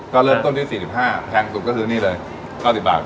ก็เริ่มต้นที่๔๕แพงสุดก็คือนี่เลย๙๐บาท